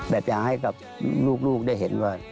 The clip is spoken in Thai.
แบบอย่างให้กับลูกได้เห็นว่า